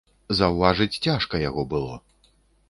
Заўважыць цяжка яго было.